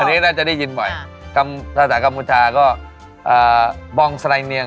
อันนี้น่าจะได้ยินบ่อยภาษากัมพูชาก็บองสไลเนียง